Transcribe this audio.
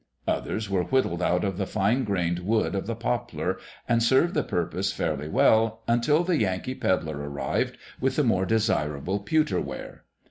Others were whittled out of the fine grained wood of the poplar and served the purpose fairly well until the Yankee peddler arrived with the more desirable pewter ware.